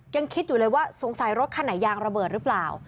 ยังคิดอยู่เลยว่าสงสัยรถคันไหนยางระเบิดหรือเปล่า